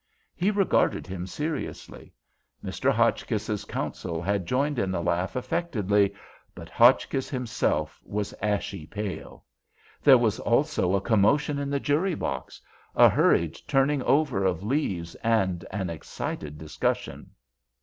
He regarded him seriously. Mr. Hotchkiss's counsel had joined in the laugh affectedly, but Hotchkiss himself was ashy pale. There was also a commotion in the jury box, a hurried turning over of leaves, and an excited discussion.